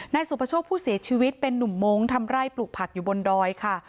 สุประโชคผู้เสียชีวิตเป็นนุ่มมงค์ทำไร่ปลูกผักอยู่บนดอยค่ะ